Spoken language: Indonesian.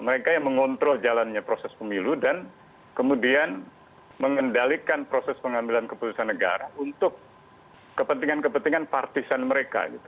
mereka yang mengontrol jalannya proses pemilu dan kemudian mengendalikan proses pengambilan keputusan negara untuk kepentingan kepentingan partisan mereka